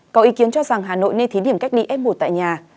có ý kiến cho rằng hà nội nên thí điểm cách ly f một tại nhà